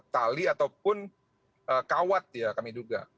tali ataupun kawat ya kami duga